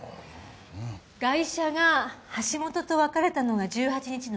ガイシャが橋本と別れたのが１８日の正午。